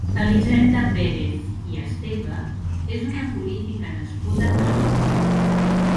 Elisenda Pérez i Esteve és una política nascuda a Calonge.